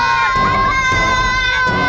gak ada apa apa